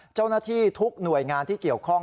เจ้าหน้าที่ทุกหน่วยงานที่เกี่ยวข้อง